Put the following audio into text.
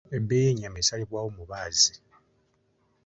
Ebbeeyi y'ennyama esalibwawo mubaazi.